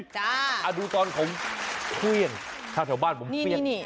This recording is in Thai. จ้ะดูตอนของเครื่องถ้าแถวบ้านผมเปรี้ยงนี่